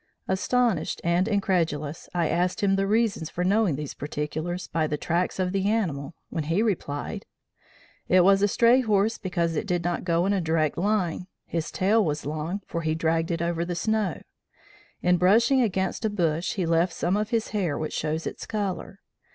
Astonished and incredulous, I asked him the reasons for knowing these particulars by the tracks of the animal, when he replied: "'It was a stray horse, because it did not go in a direct line; his tail was long, for he dragged it over the snow; in brushing against a bush he left some of his hair which shows its color.